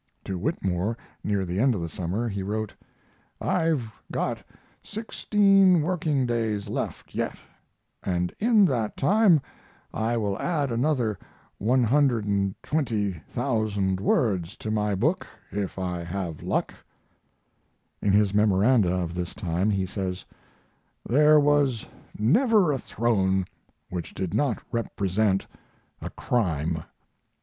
To Whitmore, near the end of the summer, he wrote: I've got 16 working days left yet, and in that time I will add another 120,000 words to my book if I have luck. In his memoranda of this time he says: There was never a throne which did not represent a crime.